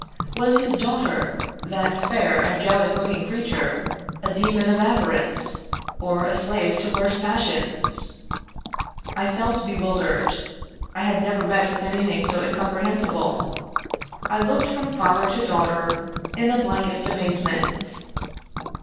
Was his daughter, that fair, angelic looking creature, a demon of avarice, or a slave to worse passions ? I felt bewildered. I had never met with anything so in comprehensible. I looked from father to daughter in the blankest amazement.